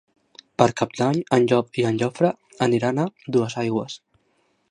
Per Cap d'Any en Llop i en Jofre aniran a Duesaigües.